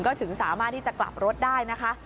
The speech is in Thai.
ก็ถึงสามารถที่จะกลับรถได้นะคะ